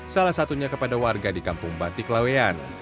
salah satunya kepada warga di kampung batik laweyan